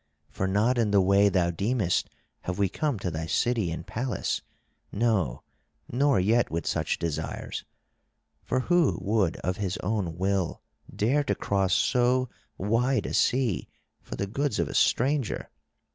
For not in the way thou deemest have we come to thy city and palace, no, nor yet with such desires. For who would of his own will dare to cross so wide a sea for the goods of a stranger?